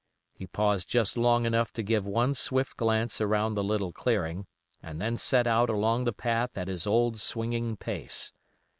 He paused just long enough to give one swift glance around the little clearing, and then set out along the path at his old swinging pace.